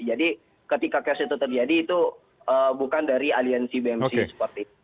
jadi ketika kiosk itu terjadi itu bukan dari aliansi bmc seperti itu